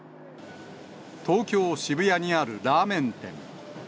東京・渋谷にあるラーメン店。